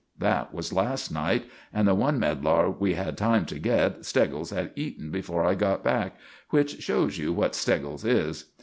That was last night; and the one medlar we had time to get Steggles had eaten before I got back, which shows what Steggles is.